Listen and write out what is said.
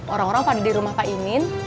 orang orang pada di rumah pak imin